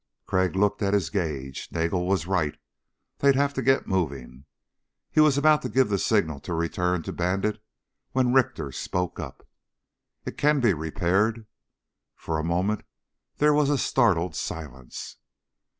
Crag looked at his gauge. Nagel was right. They'd have to get moving. He was about to give the signal to return to Bandit when Richter spoke up. "It can be repaired." For a moment there was a startled silence.